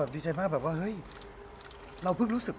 ดีใจมากแบบว่าเฮ้ยเราเพิ่งรู้สึก